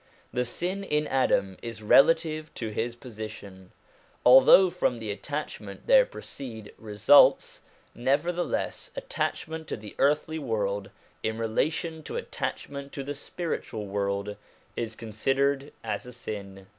The sin in Adam is relative to his position. Although from this attachment there proceed results, nevertheless, attachment to the earthly world, in relation to attachment to the spiritual world, is considered as a sin.